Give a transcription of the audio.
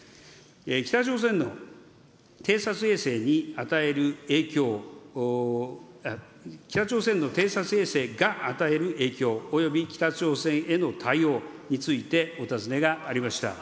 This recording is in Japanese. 北朝鮮の偵察衛星に与える影響、北朝鮮の偵察衛星が与える影響、および北朝鮮への対応についてお尋ねがありました。